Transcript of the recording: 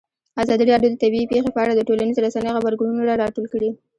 ازادي راډیو د طبیعي پېښې په اړه د ټولنیزو رسنیو غبرګونونه راټول کړي.